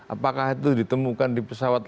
apakah itu ditemukan di pesawat